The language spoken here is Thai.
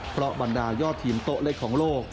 เพราะบรรดายอดทีมโต๊ะเล็กของโลก